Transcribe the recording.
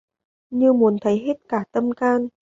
Như muốn thấy hết cả tâm can